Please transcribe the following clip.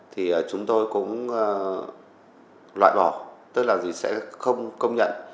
thì chúng tôi cũng loại bỏ tức là gì sẽ không công nhận